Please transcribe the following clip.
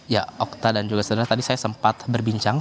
ya okta dan juga saudara tadi saya sempat berbincang